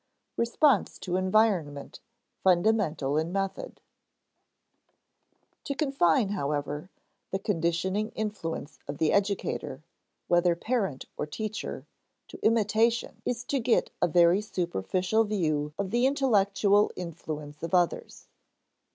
[Sidenote: Response to environment fundamental in method] To confine, however, the conditioning influence of the educator, whether parent or teacher, to imitation is to get a very superficial view of the intellectual influence of others.